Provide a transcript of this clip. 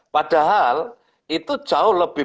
padahal itu jauh lebih